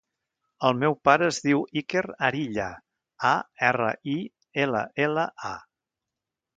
El meu pare es diu Iker Arilla: a, erra, i, ela, ela, a.